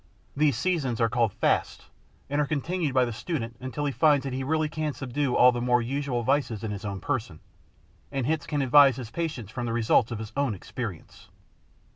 These seasons are called "fasts," and are continued by the student until he finds that he really can subdue all the more usual vices in his own person, and hence can advise his patients from the results of his own experience.